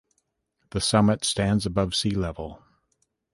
The summit stands above sea level.